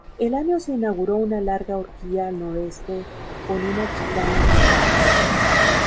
El año se inauguró una larga horquilla al noreste con una chicana final.